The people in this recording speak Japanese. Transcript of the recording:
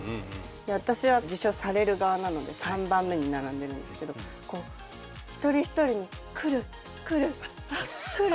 私は授賞される側なので３番目に並んでるんですけど一人一人に来る来るあっ来る！